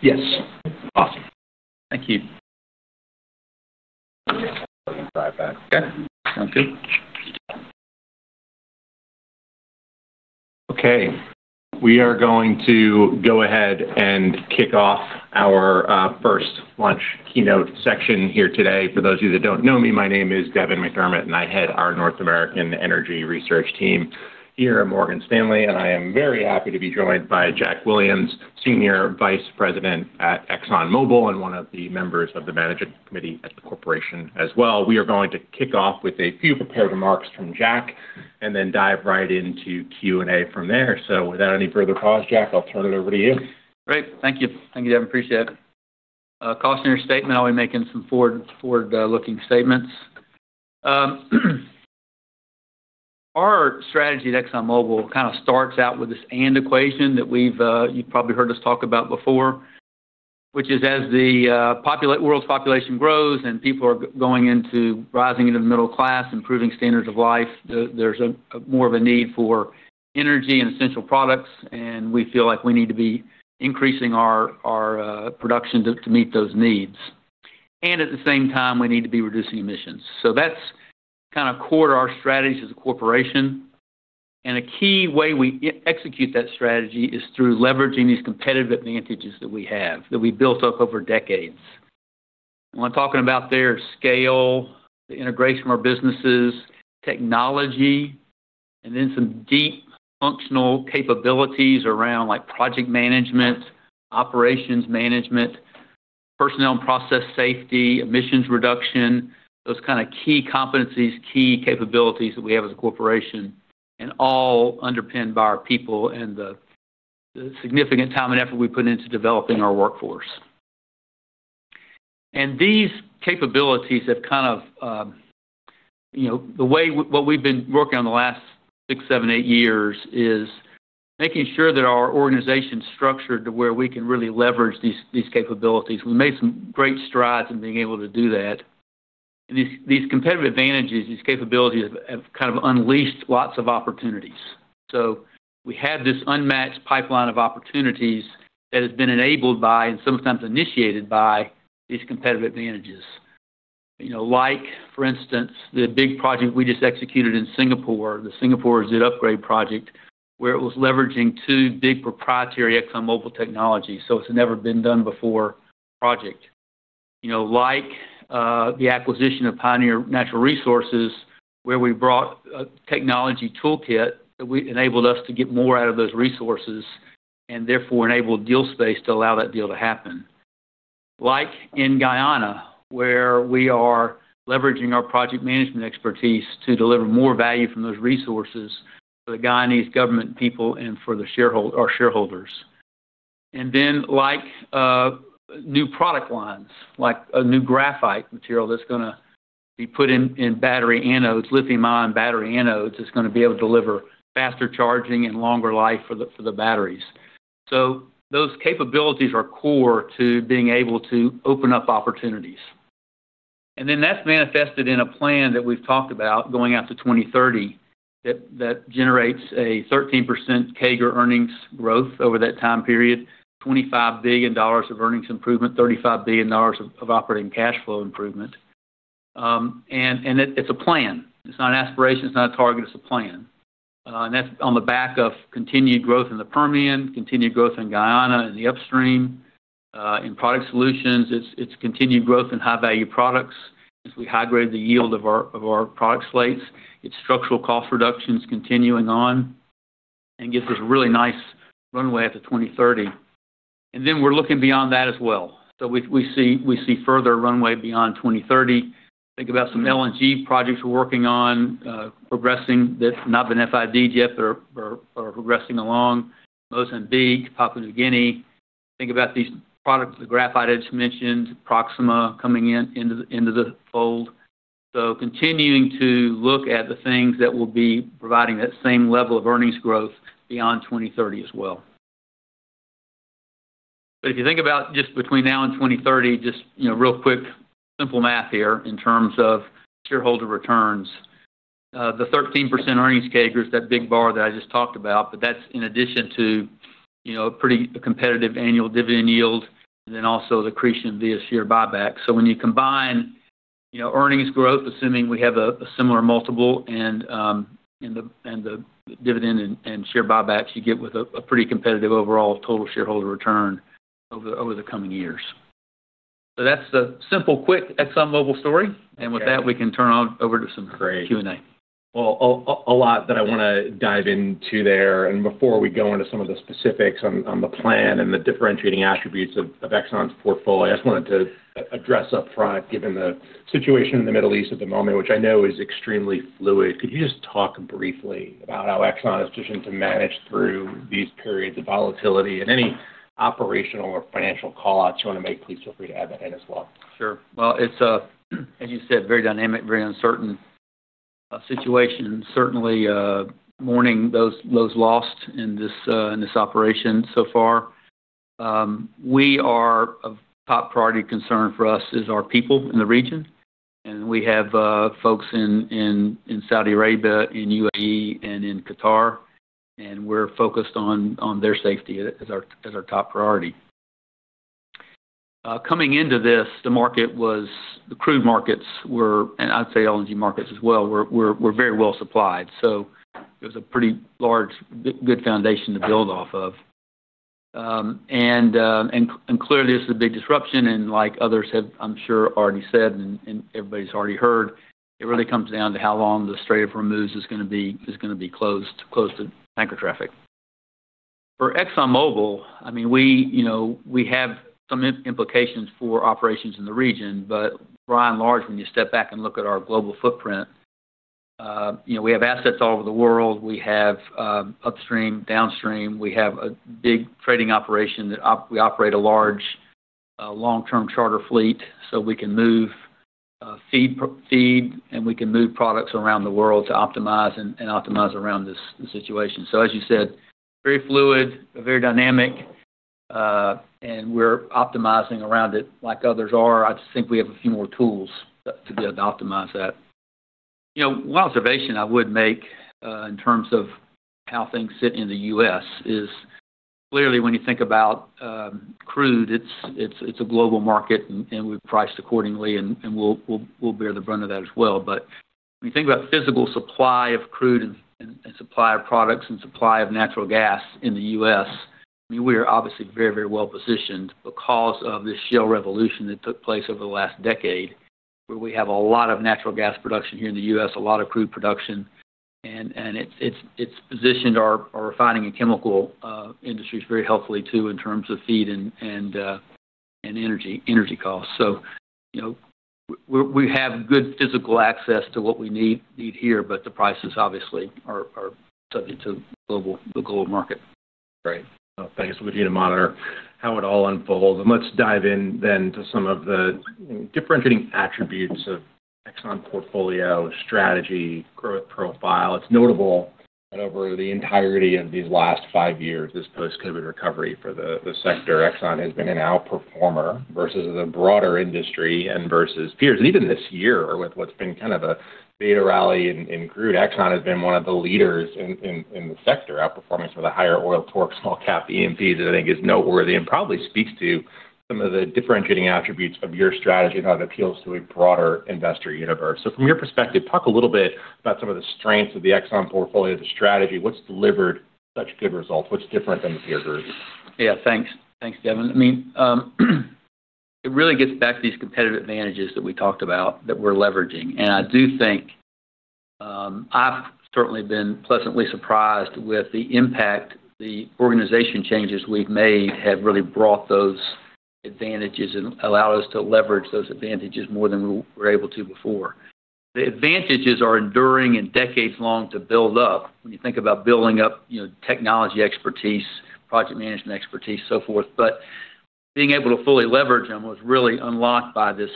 Yes. Awesome. Thank you. Let me dial back. Okay. Sounds good. Okay. We are going to go ahead and kick off our first lunch keynote section here today. For those of you that don't know me, my name is Devin McDermott, and I head our North American energy research team here at Morgan Stanley. I am very happy to be joined by Jack Williams, Senior Vice President at ExxonMobil and one of the members of the management committee at the corporation as well. We are going to kick off with a few prepared remarks from Jack and then dive right into Q&A from there. Without any further cause, Jack, I'll turn it over to you. Great. Thank you. Thank you, Devin. Appreciate it. Cautionary statement, I'll be making some forward-looking statements. Our strategy at ExxonMobil kinda starts out with this and equation that we've, you probably heard us talk about before, which is as the world's population grows and people are going into rising into the middle class, improving standards of life, there's a more of a need for energy and essential products, and we feel like we need to be increasing our production to meet those needs. At the same time, we need to be reducing emissions. That's kinda core to our strategy as a corporation. A key way we execute that strategy is through leveraging these competitive advantages that we have, that we built up over decades. When talking about their scale, the integration of our businesses, technology, and then some deep functional capabilities around, like, project management, operations management, personnel and process safety, emissions reduction, those kinda key competencies, key capabilities that we have as a corporation, and all underpinned by our people and the significant time and effort we put into developing our workforce. These capabilities have kind of, you know, what we've been working on the last six, seven, eight years is making sure that our organization's structured to where we can really leverage these capabilities. We made some great strides in being able to do that. These competitive advantages, these capabilities have kind of unleashed lots of opportunities. We have this unmatched pipeline of opportunities that has been enabled by, and sometimes initiated by, these competitive advantages. You know, like, for instance, the big project we just executed in Singapore, the Singapore Resid Upgrade Project, where it was leveraging two big proprietary ExxonMobil technology, so it's never been done before project. You know, like, the acquisition of Pioneer Natural Resources, where we brought a technology toolkit that we enabled us to get more out of those resources, and therefore enabled deal space to allow that deal to happen. Like in Guyana, where we are leveraging our project management expertise to deliver more value from those resources for the Guyanese government people and for our shareholders. Like, new product lines, like a new graphite material that's gonna be put in battery anodes, lithium-ion battery anodes, that's gonna be able to deliver faster charging and longer life for the batteries. Those capabilities are core to being able to open up opportunities. That's manifested in a plan that we've talked about going out to 2030, that generates a 13% CAGR earnings growth over that time period, $25 billion of earnings improvement, $35 billion of operating cash flow improvement. It's a plan. It's not an aspiration, it's not a target, it's a plan. That's on the back of continued growth in the Permian, continued growth in Guyana, in the upstream, in Product Solutions. It's continued growth in high-value products as we high-grade the yield of our product slates. It's structural cost reductions continuing on and gives us a really nice runway after 2030. We're looking beyond that as well. We see further runway beyond 2030. Think about some LNG projects we're working on, progressing that have not been FID'd yet or are progressing along. Mozambique, Papua New Guinea. Think about these products, the graphite I just mentioned, Proxxima coming into the fold. Continuing to look at the things that will be providing that same level of earnings growth beyond 2030 as well. If you think about just between now and 2030, just, you know, real quick simple math here in terms of shareholder returns, the 13% earnings CAGR is that big bar that I just talked about, but that's in addition to, you know, pretty competitive annual dividend yield and then also the accretion via share buyback. When you combine, you know, earnings growth, assuming we have a similar multiple and the dividend and share buybacks, you get with a pretty competitive overall total shareholder return over the coming years. That's the simple, quick ExxonMobil story. Okay. With that, we can turn on over to some Q&A. Great. Well, a lot that I wanna dive into there. Before we go into some of the specifics on the plan and the differentiating attributes of Exxon's portfolio, I just wanted to address upfront, given the situation in the Middle East at the moment, which I know is extremely fluid, could you just talk briefly about how Exxon is positioned to manage through these periods of volatility? Any operational or financial call-outs you wanna make, please feel free to add that in as well. Sure. Well, it's a, as you said, very dynamic, very uncertain situation. Certainly, mourning those lost in this operation so far. A top priority concern for us is our people in the region. And we have folks in Saudi Arabia, in U.A.E., and in Qatar, and we're focused on their safety as our top priority. Coming into this, the crude markets were, and I'd say LNG markets as well, were very well supplied. There's a pretty large, good foundation to build off of. And clearly, this is a big disruption, and like others have, I'm sure, already said and everybody's already heard, it really comes down to how long the Strait of Hormuz is gonna be closed to tanker traffic. For ExxonMobil, I mean, we, you know, we have some implications for operations in the region, but by and large, when you step back and look at our global footprint, you know, we have assets all over the world. We have upstream, downstream. We have a big trading operation that we operate a large long-term charter fleet, so we can move feed, and we can move products around the world to optimize and optimize around this situation. As you said, very fluid, a very dynamic, and we're optimizing around it like others are. I just think we have a few more tools to be able to optimize that. You know, one observation I would make in terms of how things sit in the U.S. is clearly when you think about crude, it's a global market and we've priced accordingly and we'll bear the brunt of that as well. When you think about physical supply of crude and supply of products and supply of natural gas in the U.S., I mean, we are obviously very, very well-positioned because of the shale revolution that took place over the last decade, where we have a lot of natural gas production here in the U.S., a lot of crude production. It's positioned our refining and chemical industries very healthily too in terms of feed and energy costs. You know, we have good physical access to what we need here, but the prices obviously are subject to the global market. Great. Thanks. We'll need to monitor how it all unfolds. Let's dive in then to some of the differentiating attributes of Exxon portfolio, strategy, growth profile. It's notable that over the entirety of these last five years, this post-COVID recovery for the sector, Exxon has been an outperformer versus the broader industry and versus peers. Even this year with what's been kind of a beta rally in crude, Exxon has been one of the leaders in the sector, outperforming some of the higher oil core small cap E&Ps that I think is noteworthy and probably speaks to some of the differentiating attributes of your strategy and how that appeals to a broader investor universe. From your perspective, talk a little bit about some of the strengths of the Exxon portfolio, the strategy. What's delivered such good results? What's different than the peers are? Yeah, thanks. Thanks, Devin. I mean, it really gets back to these competitive advantages that we talked about that we're leveraging. I do think, I've certainly been pleasantly surprised with the impact the organization changes we've made have really brought those advantages and allowed us to leverage those advantages more than we were able to before. The advantages are enduring and decades-long to build up when you think about building up, you know, technology expertise, project management expertise, so forth. Being able to fully leverage them was really unlocked by this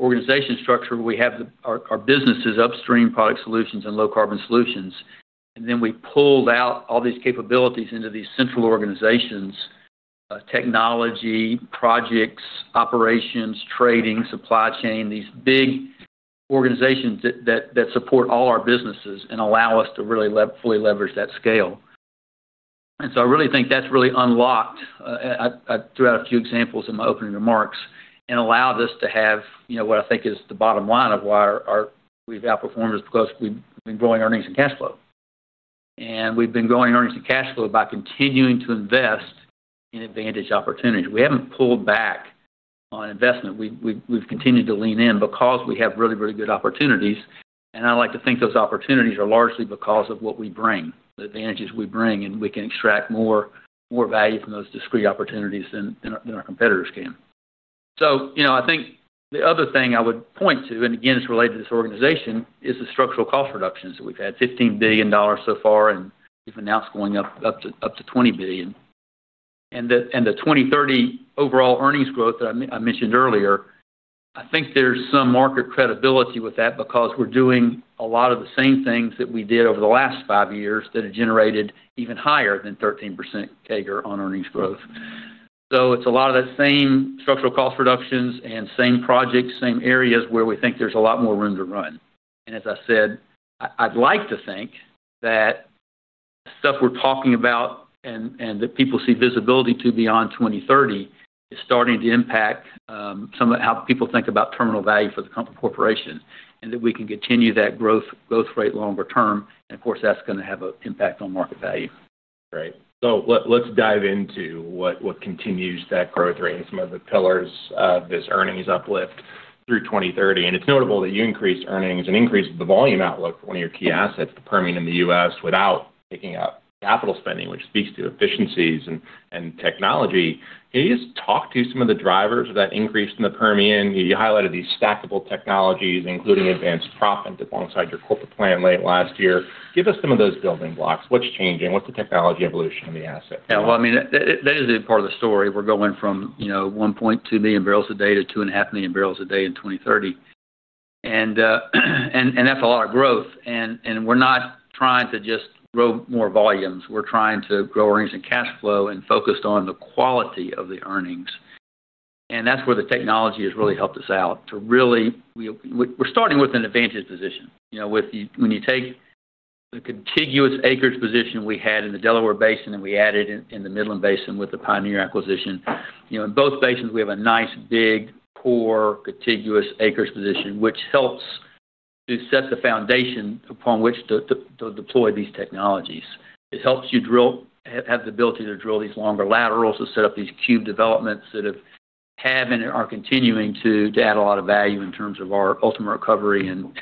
organization structure where we have our businesses upstream Product Solutions and Low Carbon Solutions. Then we pulled out all these capabilities into these central organizations, technology, projects, operations, trading, supply chain, these big organizations that support all our businesses and allow us to really fully leverage that scale. I really think that's really unlocked, I threw out a few examples in my opening remarks, and allowed us to have, you know, what I think is the bottom line of why we've outperformed is because we've been growing earnings and cash flow. We've been growing earnings and cash flow by continuing to invest in advantage opportunities. We haven't pulled back on investment. We've continued to lean in because we have really, really good opportunities, and I like to think those opportunities are largely because of what we bring, the advantages we bring, and we can extract more value from those discrete opportunities than our competitors can. You know, I think the other thing I would point to, and again, it's related to this organization, is the structural cost reductions that we've had, $15 billion so far, and we've announced going up to $20 billion. The 2030 overall earnings growth that I mentioned earlier, I think there's some market credibility with that because we're doing a lot of the same things that we did over the last five years that have generated even higher than 13% CAGR on earnings growth. It's a lot of the same structural cost reductions and same projects, same areas where we think there's a lot more room to run. As I said, I'd like to think that stuff we're talking about and that people see visibility to beyond 2030 is starting to impact some of how people think about terminal value for the corporation, and that we can continue that growth rate longer term. Of course, that's gonna have a impact on market value. Right. Let, let's dive into what continues that growth rate and some of the pillars of this earnings uplift through 2030. It's notable that you increased earnings and increased the volume outlook for one of your key assets, the Permian in the U.S., without picking up capital spending, which speaks to efficiencies and technology. Can you just talk to some of the drivers of that increase in the Permian? You highlighted these stackable technologies, including advanced proppant alongside your corporate plan late last year. Give us some of those building blocks. What's changing? What's the technology evolution in the asset? Yeah. Well, I mean, that is a part of the story. We're going from, you know, 1.2 million bbl/d-2.5 million bbl/d in 2030. That's a lot of growth. We're not trying to just grow more volumes. We're trying to grow earnings and cash flow and focused on the quality of the earnings. That's where the technology has really helped us out. We're starting with an advantage position. You know, when you take the contiguous acreage position we had in the Delaware Basin, and we added in the Midland Basin with the Pioneer acquisition. You know, in both basins, we have a nice big core contiguous acreage position, which helps to set the foundation upon which to deploy these technologies. It helps you have the ability to drill these longer laterals, to set up these Cube development that have and are continuing to add a lot of value in terms of our ultimate recovery and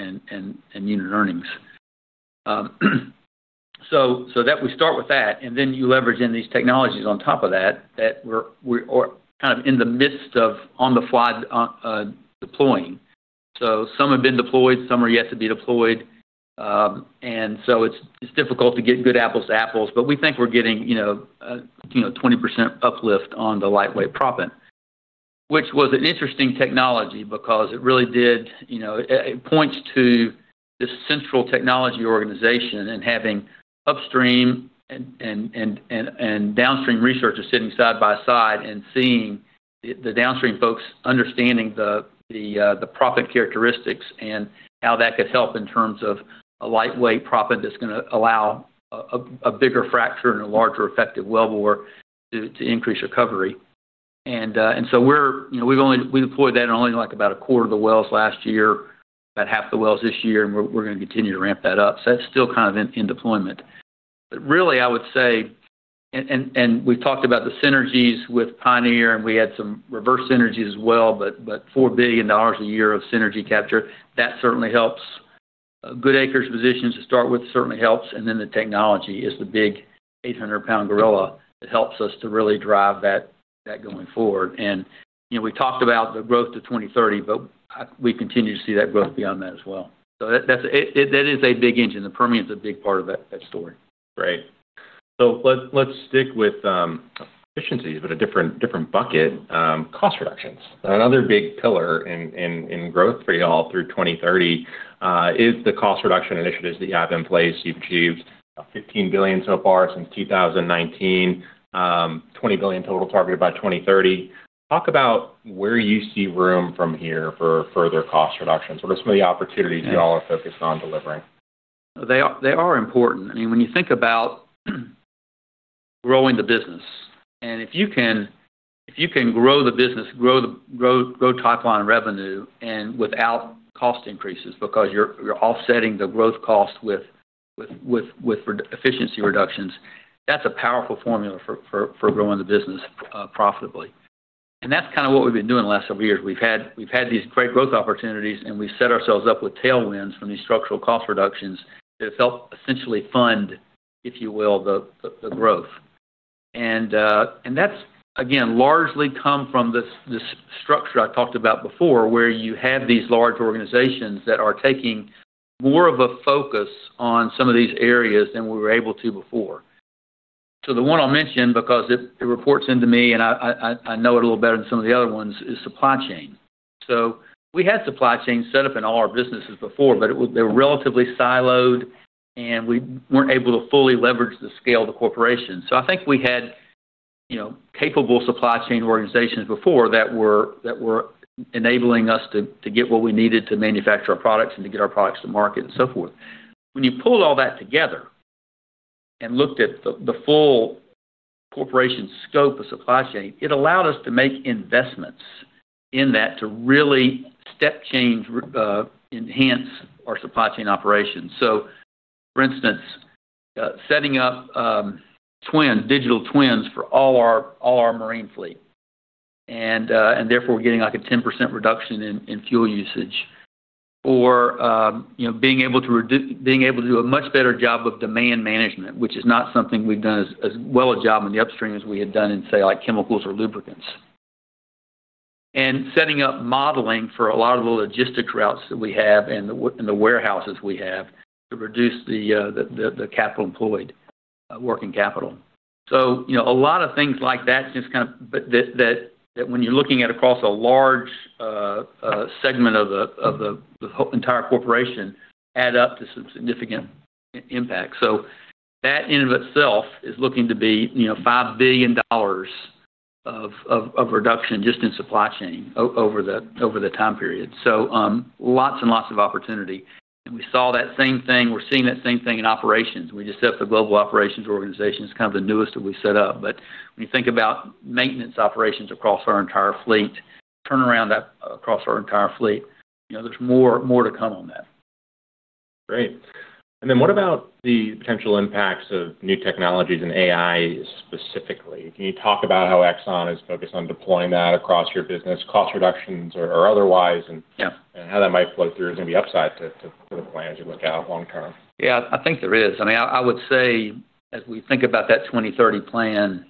unit earnings. So that we start with that, and then you leverage in these technologies on top of that we're kind of in the midst of on the fly on deploying. Some have been deployed, some are yet to be deployed. It's difficult to get good apples to apples, but we think we're getting, you know, you know, 20% uplift on the lightweight proppant, which was an interesting technology because it really did, you know, it points to this central technology organization and having upstream and downstream researchers sitting side by side and seeing the downstream folks understanding the proppant characteristics and how that could help in terms of a lightweight proppant that's gonna allow a bigger fracture and a larger effective wellbore to increase recovery. We're, you know, we deployed that in only, like, about 1/4 of the wells last year, about half the wells this year, and we're gonna continue to ramp that up. That's still kind of in deployment. Really, I would say, we've talked about the synergies with Pioneer, and we had some reverse synergy as well, $4 billion a year of synergy capture, that certainly helps. Good acres positions to start with certainly helps, and then the technology is the big 800 lb gorilla that helps us to really drive that going forward. You know, we talked about the growth to 2030, we continue to see that growth beyond that as well. That is a big engine. The Permian's a big part of that story. Right. Let's, let's stick with efficiencies, but a different bucket, cost reductions. Another big pillar in, in growth for y'all through 2030, is the cost reduction initiatives that you have in place. You've achieved $15 billion so far since 2019. $20 billion total targeted by 2030. Talk about where you see room from here for further cost reductions. What are some of the opportunities y'all are focused on delivering? They are important. I mean, when you think about growing the business, if you can grow the business, grow top line revenue without cost increases because you're offsetting the growth cost with re-efficiency reductions, that's a powerful formula for growing the business profitably. That's kinda what we've been doing the last several years. We've had these great growth opportunities, we've set ourselves up with tailwinds from these structural cost reductions that have helped essentially fund, if you will, the growth. That's again, largely come from this structure I talked about before, where you have these large organizations that are taking more of a focus on some of these areas than we were able to before. The one I'll mention, because it reports into me and I know it a little better than some of the other ones is supply chain. We had supply chain set up in all our businesses before, but they were relatively siloed, and we weren't able to fully leverage the scale of the corporation. I think we had, you know, capable supply chain organizations before that were enabling us to get what we needed to manufacture our products and to get our products to market and so forth. When you pulled all that together and looked at the full corporation scope of supply chain, it allowed us to make investments in that to really step change, enhance our supply chain operations. For instance, setting up twins, digital twins for all our marine fleet, and therefore we're getting, like, a 10% reduction in fuel usage. You know, being able to do a much better job of demand management, which is not something we've done as well a job in the upstream as we had done in, say, like, chemicals or lubricants. Setting up modeling for a lot of the logistics routes that we have and the warehouses we have to reduce the capital employed, working capital. You know, a lot of things like that just kind of but that when you're looking at across a large segment of the whole entire corporation add up to some significant impact. That in of itself is looking to be, you know, $5 billion of reduction just in supply chain over the, over the time period. Lots and lots of opportunity. We saw that same thing. We're seeing that same thing in operations. We just set up the global operations organization. It's kind of the newest that we set up. When you think about maintenance operations across our entire fleet, turnaround that across our entire fleet, you know, there's more to come on that. Great. What about the potential impacts of new technologies and AI specifically? Can you talk about how Exxon is focused on deploying that across your business, cost reductions or otherwise? Yeah. How that might flow through? There's gonna be upside to the plan as you look out long term. Yeah, I think there is. I mean, I would say as we think about that 2030 plan,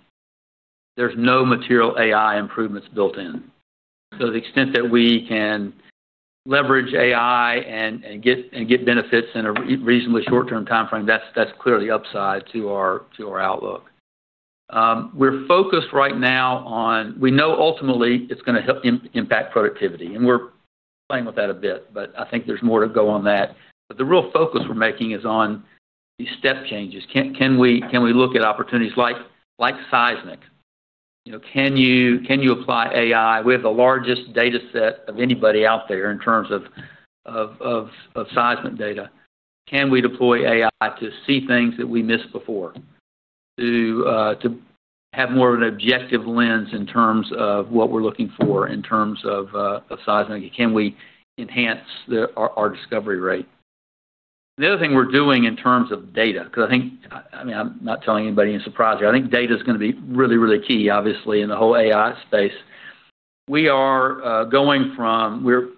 there's no material AI improvements built in. The extent that we can leverage AI and get benefits in a reasonably short term timeframe, that's clearly upside to our outlook. We're focused right now on. We know ultimately it's gonna help impact productivity. We're playing with that a bit, but I think there's more to go on that. The real focus we're making is on these step changes. Can we look at opportunities like seismic? You know, can you apply AI? We have the largest data set of anybody out there in terms of seismic data. Can we deploy AI to see things that we missed before to have more of an objective lens in terms of what we're looking for in terms of seismic? Can we enhance our discovery rate? The other thing we're doing in terms of data, 'cause I mean, I'm not telling anybody any surprise here. I think data's gonna be really key obviously, in the whole AI space. We are going from We're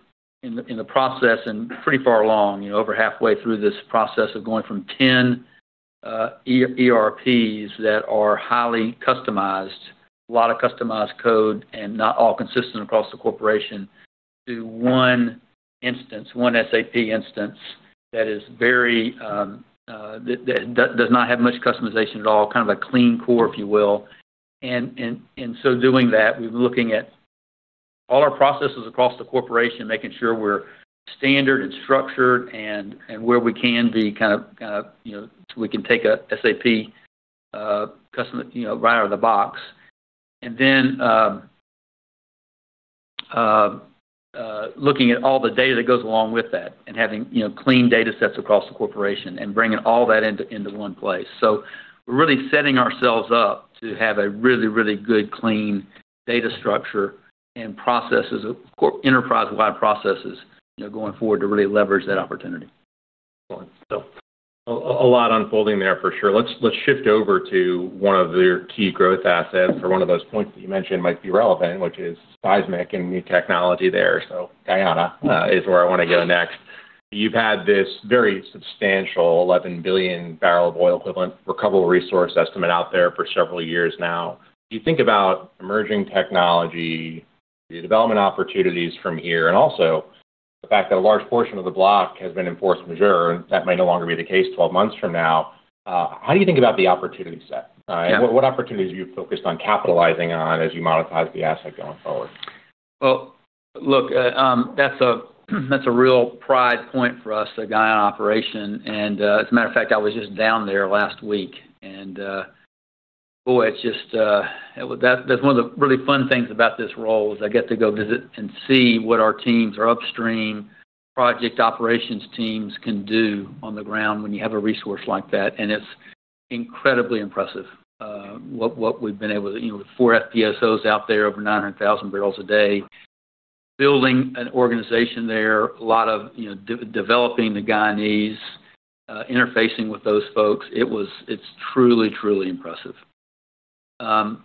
in the process and pretty far along, you know, over halfway through this process of going from 10 ERPs that are highly customized, a lot of customized code and not all consistent across the corporation, to one instance, one SAP instance that is very that does not have much customization at all, kind of a clean core, if you will. So doing that, we've been looking at all our processes across the corporation, making sure we're standard and structured and, where we can be kind of, you know, we can take a SAP, custom-- you know, right out of the box. Then, looking at all the data that goes along with that and having, you know, clean data sets across the corporation and bringing all that into one place. We're really setting ourselves up to have a really, really good, clean data structure and processes of enterprise-wide processes, you know, going forward to really leverage that opportunity. Excellent. A lot unfolding there for sure. Let's shift over to one of your key growth assets or one of those points that you mentioned might be relevant, which is seismic and new technology there. Guyana is where I want to go next. You've had this very substantial 11 billion bbl of oil equivalent recoverable resource estimate out there for several years now. You think about emerging technology, the development opportunities from here, and also the fact that a large portion of the block has been in force majeure, and that may no longer be the case 12 months from now. How do you think about the opportunity set? Yeah. What opportunities are you focused on capitalizing on as you monetize the asset going forward? Well, look, that's a real pride point for us, the Guyana operation. As a matter of fact, I was just down there last week. Boy, it's just, that's one of the really fun things about this role is I get to go visit and see what our teams, our upstream project operations teams can do on the ground when you have a resource like that. It's incredibly impressive, what we've been able to, you know, with four FPSOs out there, over 900,000 bbl/d. Building an organization there, a lot of, you know, developing the Guyanese, interfacing with those folks. It's truly impressive. 11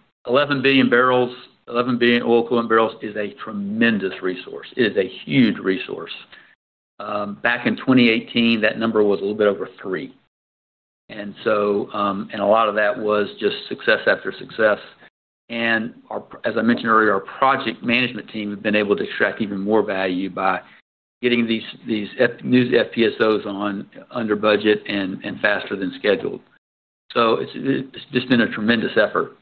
billion bbl, 11 billion bbl of oil equivalent is a tremendous resource. It is a huge resource. Back in 2018, that number was a little bit over 3 billion bbl. A lot of that was just success after success. As I mentioned earlier, our project management team have been able to extract even more value by getting these new FPSOs on under budget and faster than scheduled. It's just been a tremendous effort.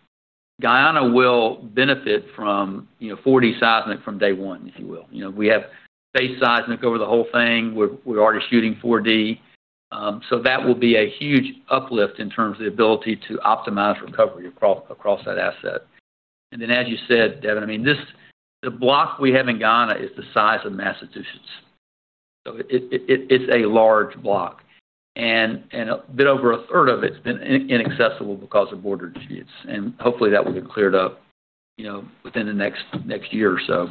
Guyana will benefit from, you know, 4D seismic from day one, if you will. You know, we have base seismic over the whole thing. We're already shooting 4D. That will be a huge uplift in terms of the ability to optimize recovery across that asset. As you said, Devin, I mean, the block we have in Guyana is the size of Massachusetts. It's a large block. A bit over 1/3 of it's been inaccessible because of border disputes. Hopefully, that will get cleared up, you know, within the next year or so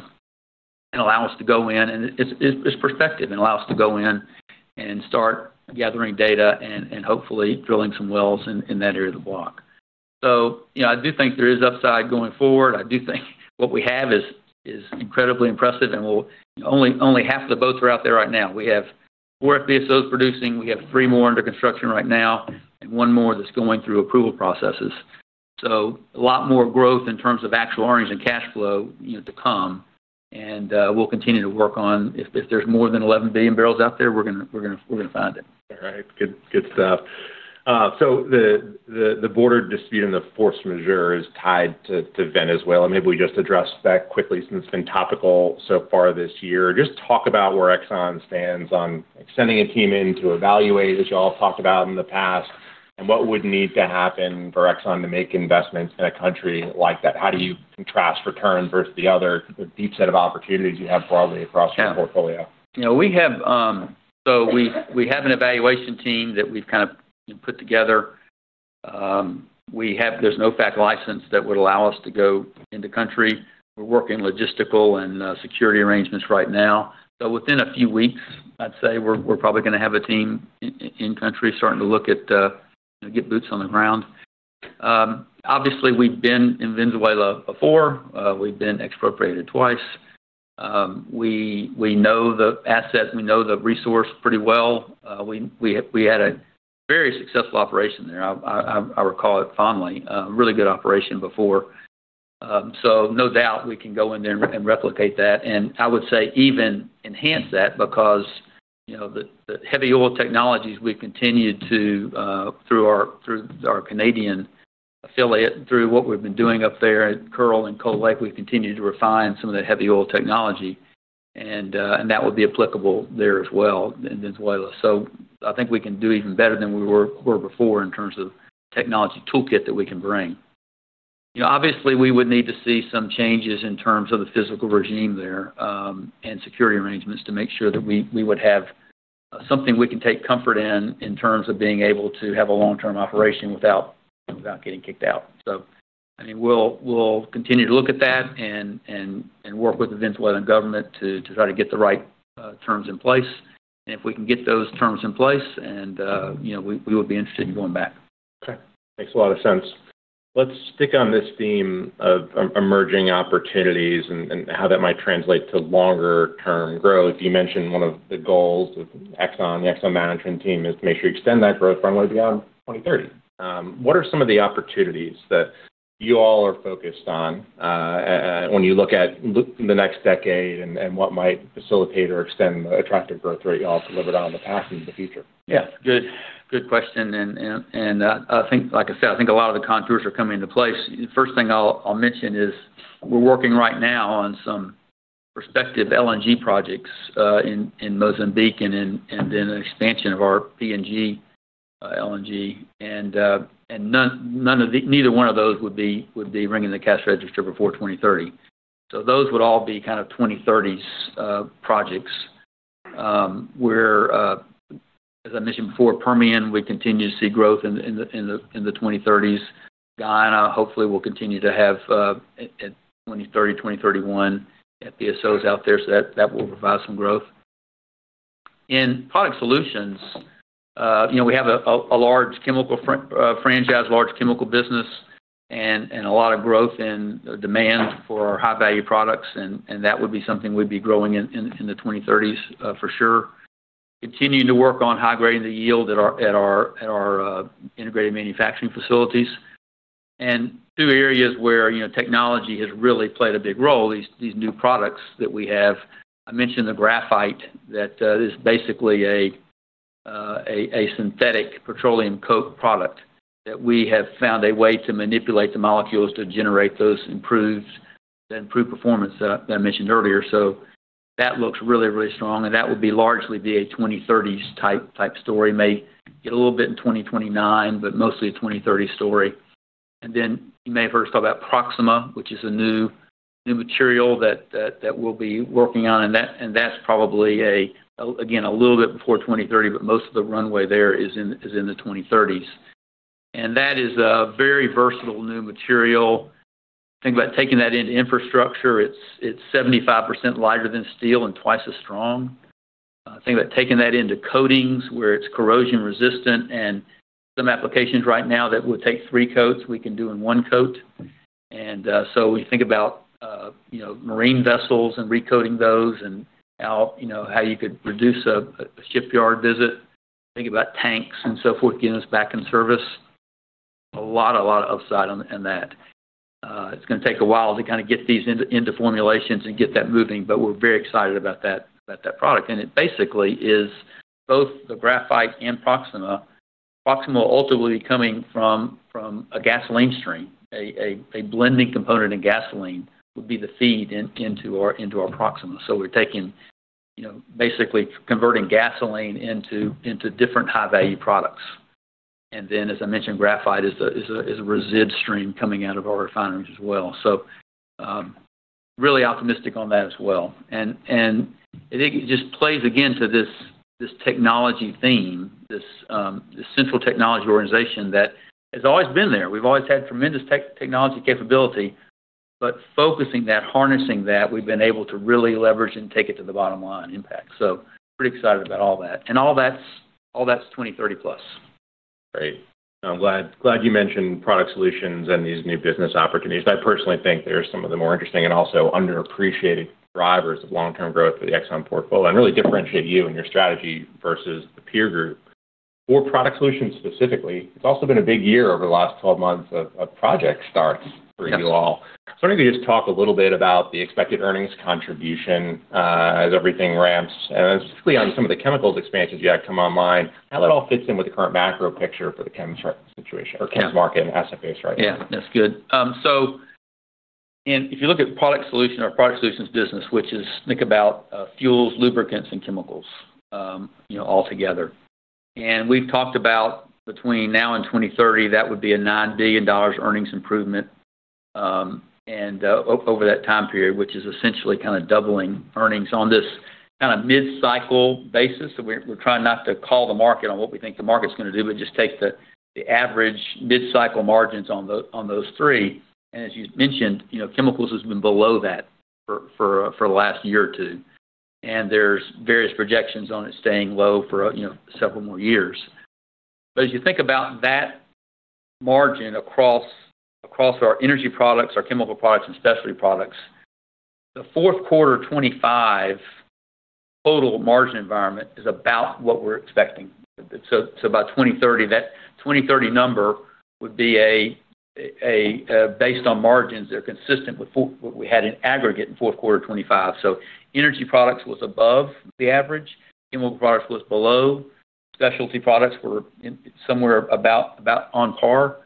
and allow us to go in. It's prospective and allow us to go in and start gathering data and hopefully drilling some wells in that area of the block. You know, I do think there is upside going forward. I do think what we have is incredibly impressive, and Only half the boats are out there right now. We have four FPSOs producing. We have three more under construction right now and one more that's going through approval processes. A lot more growth in terms of actual earnings and cash flow, you know, to come. We'll continue to work on if there's more than 11 billion bbl out there, we're gonna find it. All right. Good stuff. The border dispute and the force majeure is tied to Venezuela. Maybe we just address that quickly since it's been topical so far this year. Just talk about where Exxon stands on sending a team in to evaluate, as you all talked about in the past, and what would need to happen for Exxon to make investments in a country like that. How do you contrast return versus the other deep set of opportunities you have broadly across your portfolio? You know, we have an evaluation team that we've kind of put together. There's no OFAC license that would allow us to go in the country. We're working logistical and security arrangements right now. Within a few weeks, I'd say we're probably gonna have a team in country starting to look at, get boots on the ground. Obviously, we've been in Venezuela before. We've been expropriated twice. We know the assets. We know the resource pretty well. We had a very successful operation there. I recall it fondly. A really good operation before. No doubt we can go in there and replicate that, and I would say even enhance that because you know, the heavy oil technologies we've continued to, through our, through our Canadian affiliate, through what we've been doing up there at Kearl and Cold Lake, we've continued to refine some of that heavy oil technology, and that would be applicable there as well in Venezuela. I think we can do even better than we were before in terms of technology toolkit that we can bring. You know, obviously, we would need to see some changes in terms of the physical regime there, and security arrangements to make sure that we would have something we can take comfort in terms of being able to have a long-term operation without getting kicked out. I mean, we'll continue to look at that and work with the Venezuelan government to try to get the right terms in place. If we can get those terms in place and, you know, we would be interested in going back. Okay. Makes a lot of sense. Let's stick on this theme of emerging opportunities and how that might translate to longer term growth. You mentioned one of the goals of the Exxon management team is to make sure you extend that growth runway beyond 2030. What are some of the opportunities that you all are focused on when you look at the next decade and what might facilitate or extend the attractive growth rate you all have delivered on in the past and into the future? Yeah, good question. I think, like I said, I think a lot of the contours are coming into place. First thing I'll mention is we're working right now on some prospective LNG projects in Mozambique and in an expansion of our PNG LNG. Neither one of those would be ringing the cash register before 2030. Those would all be kind of 2030s projects. Where, as I mentioned before, Permian, we continue to see growth in the 2030s. Guyana, hopefully will continue to have at 2030, 2031 FPSO out there, so that will provide some growth. In Product Solutions, you know, we have a large chemical franchise, large chemical business and a lot of growth and demand for our high-value products and that would be something we'd be growing in the 2030s for sure. Continuing to work on high-grading the yield at our integrated manufacturing facilities. Two areas where, you know, technology has really played a big role, these new products that we have. I mentioned the graphite that is basically a synthetic petroleum coke product that we have found a way to manipulate the molecules to generate the improved performance that I mentioned earlier. That looks really strong, and that would be largely be a 2030s type story. May get a little bit in 2029, but mostly a 2030 story. You may have heard us talk about Proxxima, which is a new material that we'll be working on, and that's probably again a little bit before 2030, but most of the runway there is in the 2030s. That is a very versatile new material. Think about taking that into infrastructure. It's 75% lighter than steel and 2x as strong. Think about taking that into coatings, where it's corrosion resistant and some applications right now that would take three coats, we can do in one coat. When you think about, you know, marine vessels and recoating those and how, you know, how you could reduce a shipyard visit, think about tanks and so forth, getting us back in service. A lot of upside on in that. It's gonna take a while to kind of get these into formulations and get that moving, but we're very excited about that product. It basically is both the graphite and Proxxima. Proxxima will ultimately be coming from a gasoline stream. A blending component in gasoline would be the feed into our Proxxima. We're taking, you know, basically converting gasoline into different high-value products. As I mentioned, graphite is a resid stream coming out of our refineries as well. Really optimistic on that as well. I think it just plays again to this technology theme, this central technology organization that has always been there. We've always had tremendous technology capability, but focusing that, harnessing that, we've been able to really leverage and take it to the bottom line impact. Pretty excited about all that. All that's 2030 plus. Great. I'm glad you mentioned Product Solutions and these new business opportunities. I personally think they're some of the more interesting and also underappreciated drivers of long-term growth for the Exxon portfolio and really differentiate you and your strategy versus the peer group. For Product Solutions specifically, it's also been a big year over the last 12 months of project starts for you all. Maybe just talk a little bit about the expected earnings contribution as everything ramps, specifically on some of the chemicals expansions you have come online, how that all fits in with the current macro picture for the chems market and asset base right now. Yeah, that's good. If you look at Product Solutions business, which is think about fuels, lubricants, and chemicals, you know, all together. We've talked about between now and 2030, that would be a $9 billion earnings improvement, and over that time period which is essentially kind of doubling earnings on this kind of mid-cycle basis. We're trying not to call the market on what we think the market's gonna do, but just take the average mid-cycle margins on those three. As you mentioned, you know, chemicals has been below that for the last year or two, and there's various projections on it staying low for, you know, several more years. As you think about that margin across our energy products, our chemical products and specialty products, the fourth quarter 2025 total margin environment is about what we're expecting. About 2030. That 2030 number would be based on margins, they're consistent with what we had in aggregate in fourth quarter 2025. Energy products was above the average. Chemical products was below. Specialty products were somewhere about on par.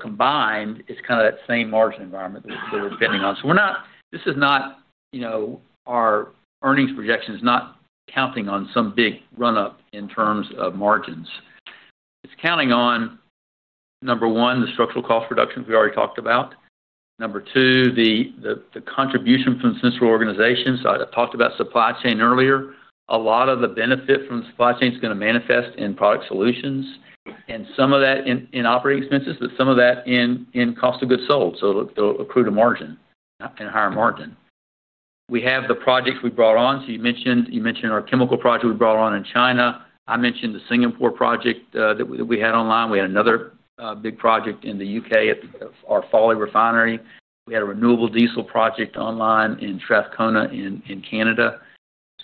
Combined, it's kinda that same margin environment that we're bidding on. This is not, you know, our earnings projection is not counting on some big run-up in terms of margins. It's counting on, number one, the structural cost reductions we already talked about. Number two, the contribution from central organizations. I talked about supply chain earlier. A lot of the benefit from supply chain is gonna manifest in Product Solutions, and some of that in operating expenses, but some of that in cost of goods sold, it'll accrue to margin and higher margin. We have the projects we brought on. You mentioned our chemical project we brought on in China. I mentioned the Singapore project that we had online. We had another big project in the U.K. at our Fawley refinery. We had a renewable diesel project online in Strathcona in Canada.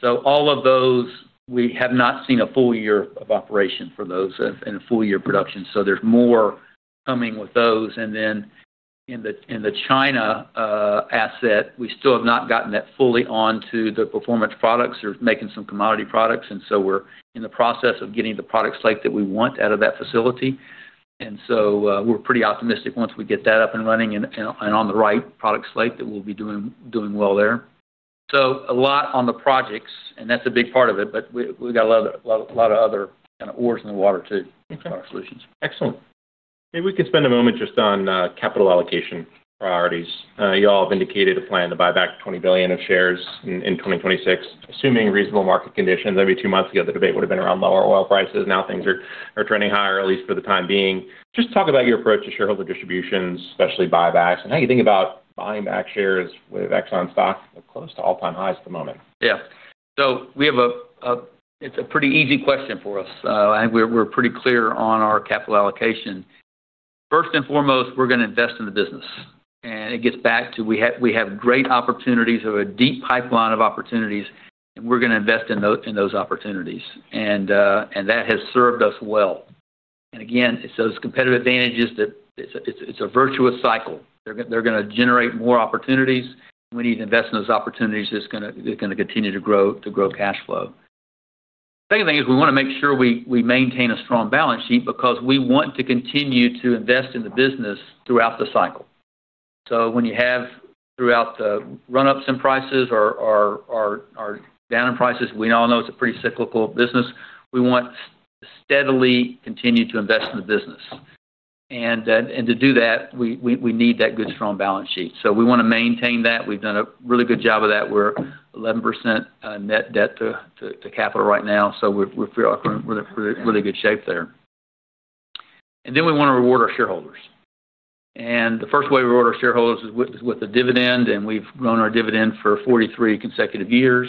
All of those, we have not seen a full year of operation for those and a full year of production, so there's more coming with those. In the China asset, we still have not gotten that fully onto the performance products. They're making some commodity products. We're in the process of getting the product slate that we want out of that facility. We're pretty optimistic once we get that up and running and on the right product slate that we'll be doing well there. A lot on the projects, and that's a big part of it, but we got a lot of other kinda oars in the water too. Okay. -on our solutions. Excellent. Maybe we can spend a moment just on capital allocation priorities. Y'all have indicated a plan to buy back $20 billion of shares in 2026, assuming reasonable market conditions. Maybe two months ago, the debate would've been around lower oil prices. Now things are trending higher, at least for the time being. Just talk about your approach to shareholder distributions, especially buybacks, and how you think about buying back shares with Exxon stock close to all-time highs at the moment. It's a pretty easy question for us. I think we're pretty clear on our capital allocation. First and foremost, we're gonna invest in the business. It gets back to we have great opportunities. We have a deep pipeline of opportunities, and we're gonna invest in those opportunities. That has served us well. Again, it's those competitive advantages that it's a virtuous cycle. They're gonna generate more opportunities. We need to invest in those opportunities. It's gonna continue to grow cash flow. Second thing is we maintain a strong balance sheet because we want to continue to invest in the business throughout the cycle. When you have, throughout the run-ups in prices or down in prices, we all know it's a pretty cyclical business, we want to steadily continue to invest in the business. To do that, we need that good, strong balance sheet. We wanna maintain that. We've done a really good job of that. We're 11%, net debt to capital right now, so we feel like we're in really good shape there. We wanna reward our shareholders. The first way we reward our shareholders is with the dividend, and we've grown our dividend for 43 consecutive years.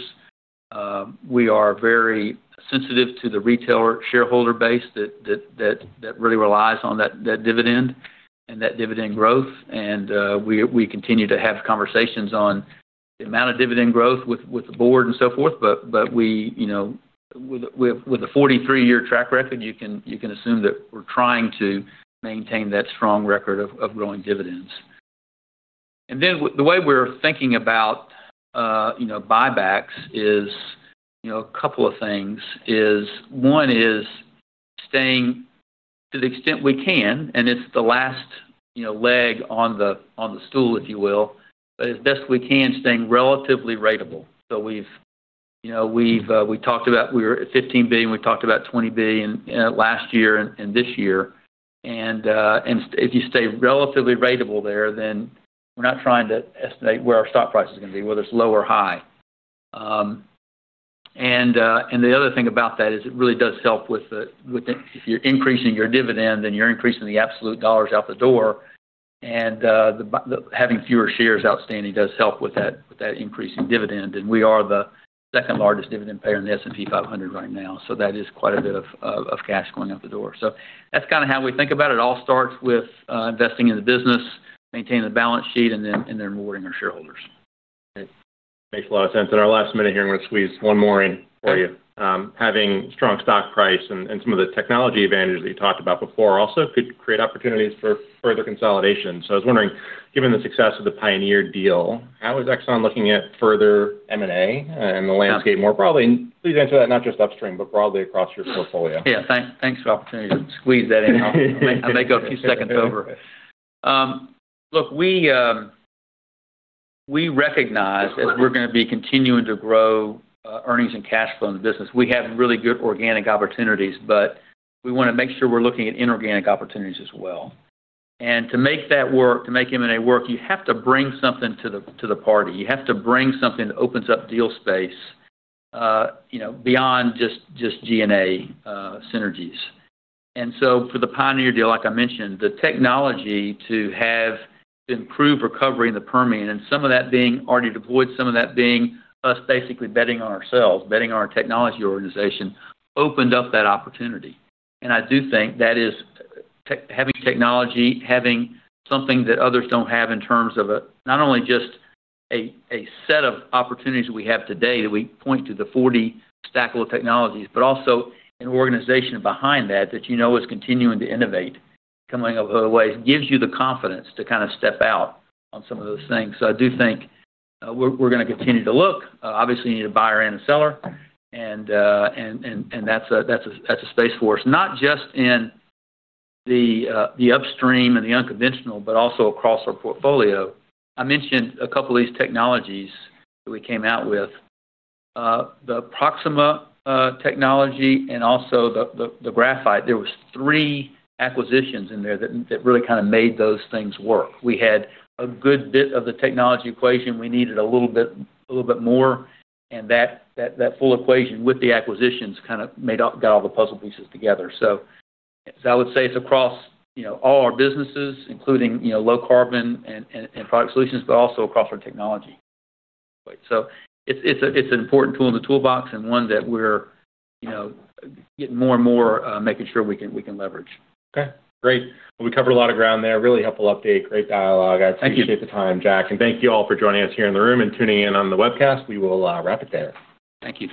We are very sensitive to the retailer shareholder base that really relies on that dividend and that dividend growth. We continue to have conversations on the amount of dividend growth with the board and so forth, but we, you know, with a 43 year track record, you can assume that we're trying to maintain that strong record of growing dividends. The way we're thinking about, you know, buybacks is, you know, a couple of things is, one is staying to the extent we can, and it's the last, you know, leg on the stool, if you will, but as best we can, staying relatively ratable. We've, you know, we've, we talked about we were at $15 billion. We talked about $20 billion last year and this year. If you stay relatively ratable there, then we're not trying to estimate where our stock price is gonna be, whether it's low or high. The other thing about that is it really does help with the... If you're increasing your dividend, then you're increasing the absolute dollars out the door. Having fewer shares outstanding does help with that, with that increase in dividend. We are the second-largest dividend payer in the S&P 500 right now, that is quite a bit of cash going out the door. That's kinda how we think about it. It all starts with investing in the business, maintaining the balance sheet, and then, and then rewarding our shareholders. It makes a lot of sense. In our last minute here, I'm gonna squeeze one more in for you. Having strong stock price and some of the technology advantages that you talked about before also could create opportunities for further consolidation. I was wondering, given the success of the Pioneer deal, how is Exxon looking at further M&A and the landscape more broadly? Please answer that not just upstream, but broadly across your portfolio. Yeah. Thanks for the opportunity to squeeze that in. I may go a few seconds over. Look, we recognize. Of course. As we're gonna be continuing to grow earnings and cash flow in the business. We have really good organic opportunities, but we wanna make sure we're looking at inorganic opportunities as well. To make that work, to make M&A work, you have to bring something to the, to the party. You have to bring something that opens up deal space, you know, beyond just G&A synergies. For the Pioneer deal, like I mentioned, the technology to have improved recovery in the Permian, and some of that being already deployed, some of that being us basically betting on ourselves, betting on our technology organization, opened up that opportunity. I do think that is having technology, having something that others don't have in terms of not only just a set of opportunities that we have today, that we point to the 40 stack of technologies, but also an organization behind that that you know is continuing to innovate, coming up with other ways. It gives you the confidence to kinda step out on some of those things. I do think we're gonna continue to look. Obviously, you need a buyer and a seller. That's a, that's a, that's a space for us, not just in the upstream and the unconventional, but also across our portfolio. I mentioned a couple of these technologies that we came out with. The Proxxima technology and also the graphite, there was three acquisitions in there that really kinda made those things work. We had a good bit of the technology equation. We needed a little bit more, and that full equation with the acquisitions kind of got all the puzzle pieces together. I would say it's across, you know, all our businesses, including, you know, Low Carbon and Product Solutions, but also across our technology. It's an important tool in the toolbox, and one that we're, you know, getting more and more, making sure we can, we can leverage. Great. We covered a lot of ground there. Really helpful update, great dialogue. Thank you. I appreciate the time, Jack. Thank you all for joining us here in the room and tuning in on the webcast. We will wrap it there. Thank you.